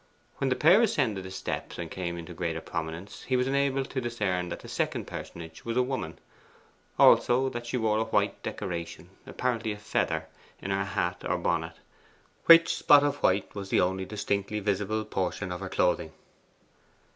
When the pair ascended the steps, and came into greater prominence, he was enabled to discern that the second personage was a woman; also that she wore a white decoration apparently a feather in her hat or bonnet, which spot of white was the only distinctly visible portion of her clothing.